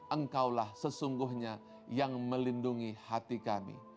engkaulah sesungguhnya yang melindungi hati kami